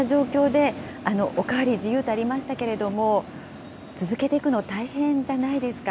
こうした状況で、お代わり自由とありましたけれども、続けていくの、大変じゃないですか。